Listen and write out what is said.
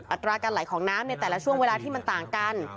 อัตราการไหลของน้ำในแต่ละช่วงเวลาที่มันต่างกัน